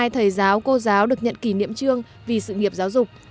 một trăm năm mươi hai thầy giáo cô giáo được nhận kỷ niệm trương vì sự nghiệp giáo dục